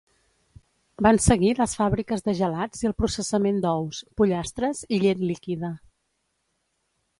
Van seguir les fàbriques de gelats i el processament d'ous, pollastres i llet líquida.